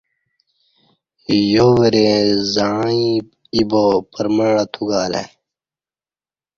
یو وریں زعں ییبا پر مع اتوگالہ ای